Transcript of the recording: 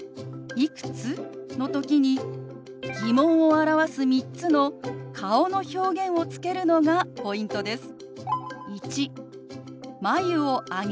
「いくつ？」の時に疑問を表す３つの顔の表現をつけるのがポイントです。